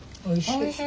おいしいな。